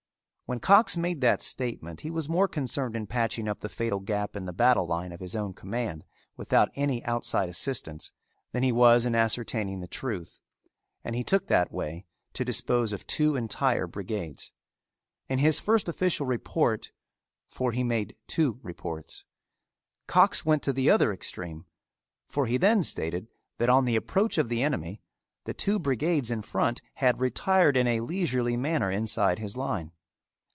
When Cox made that statement he was more concerned in patching up that fatal gap in the battle line of his own command without any outside assistance, than he was in ascertaining the truth, and he took that way to dispose of two entire brigades. In his first official report, for he made two reports, Cox went to the other extreme for he then stated that on the approach of the enemy the two brigades in front had retired in a leisurely manner inside his line.